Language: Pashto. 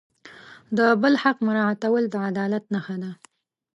د بل حق مراعتول د عدالت نښه ده.